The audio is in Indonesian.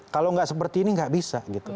kalau gak seperti ini gak bisa